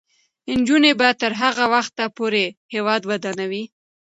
نجونې به تر هغه وخته پورې هیواد ودانوي.